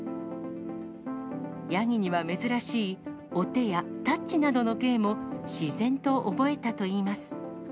ヤギには珍しい、お手やタッチなどの芸も、自然と覚えたといいます。